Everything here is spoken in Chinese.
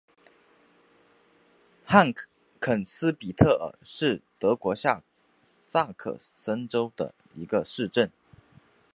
汉肯斯比特尔是德国下萨克森州的一个市镇。